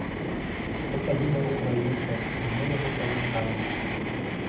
Гэта выбар украінцаў, і мы яго паважаем.